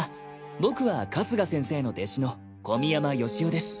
僕は春日先生の弟子の込山義男です。